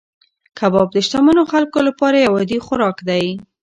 کباب د شتمنو خلکو لپاره یو عادي خوراک دی.